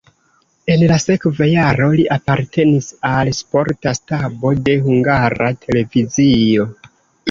En la sekva jaro li apartenis al sporta stabo de Hungara Televizio.